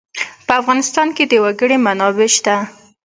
په افغانستان کې د وګړي منابع شته.